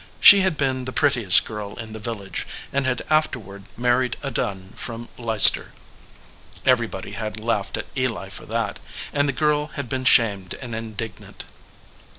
She had been the prettiest girl in the village, and had afterward married a Dunn from Leicester. Everybody had laughed at Eli for that, and the girl 101 .EDGEWATER PEOPLE had been shamed and indignant.